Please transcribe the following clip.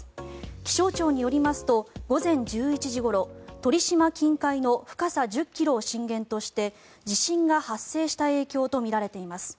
気象庁によりますと午前１１時ごろ鳥島近海の深さ１０ｋｍを震源として地震が発生した影響とみられています。